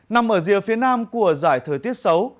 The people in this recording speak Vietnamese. nằm ở rìa phía nam của giải thời tiết xấu